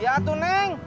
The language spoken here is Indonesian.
ya tuh neng